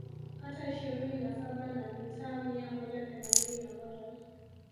kata ishirini na saba na mitaa mia moja themanini na moja